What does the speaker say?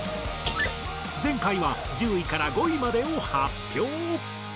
前回は１０位から５位までを発表。